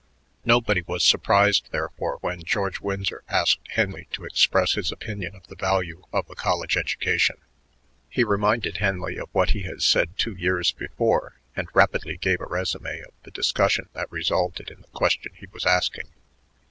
Nobody was surprised, therefore, when George Winsor asked Henley to express his opinion of the value of a college education. He reminded Henley of what he had said two years before, and rapidly gave a resumé of the discussion that resulted in the question he was asking.